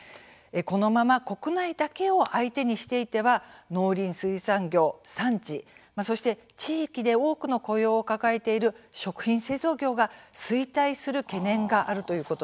このまま国内だけを相手にしていては農林水産業産地そして地域で多くの雇用を抱えている食品製造業が衰退する懸念があるということなんですね。